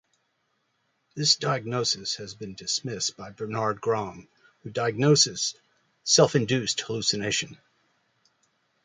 This diagnosis has been dismissed by Bernhard Grom, who diagnoses self-induced hallucination.